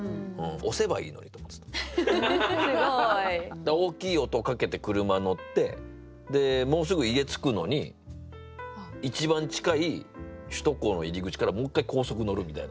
だから大きい音をかけて車乗ってもうすぐ家着くのに一番近い首都高の入り口からもう一回高速乗るみたいな。